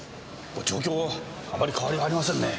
状況はあまり変わりありませんね。